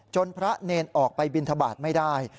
พระเนรออกไปบินทบาทไม่ได้